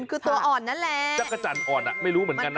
คือตัวอ่อนนั่นแหละจักรจันทร์อ่อนอ่ะไม่รู้เหมือนกันนะ